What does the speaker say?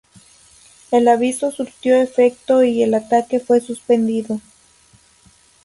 El aviso surtió efecto y el ataque fue suspendido.